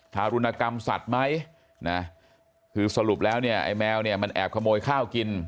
ทารุณกรรมสัตว์ไหมนะคือสรุปแล้วเนี่ยไอ้แมวเนี่ยมันแอบขโมยข้าวกิน